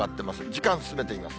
時間進めてみます。